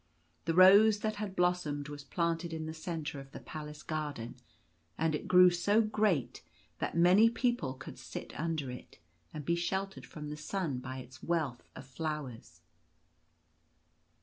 The rose that had blossomed was planted in the centre of the palace garden ; and it grew so great that many people could sit under it, and be shel tered from the sun by its wealth of flowers.